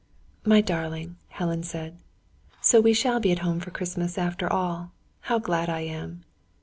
"My darling!" Helen said. "So we shall be at home for Christmas after all. How glad I am!"